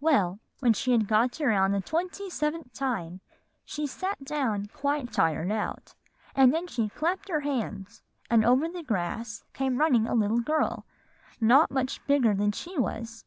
"Well, when she had got around the twenty seventh time, she sat down quite tired out; and then she clapped her hands, and over the grass came running a little girl not much bigger than she was.